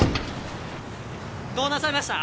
どうなさいました？